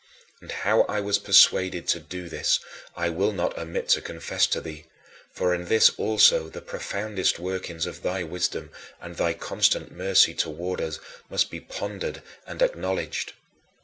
And how I was persuaded to do this I will not omit to confess to thee, for in this also the profoundest workings of thy wisdom and thy constant mercy toward us must be pondered and acknowledged.